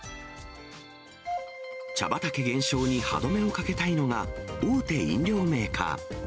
茶畑減少に歯止めをかけたいのが、大手飲料メーカー。